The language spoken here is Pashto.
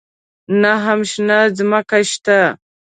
نه هم شنه ځمکه شته.